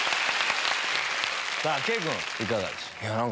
さぁ圭君いかがでしたか？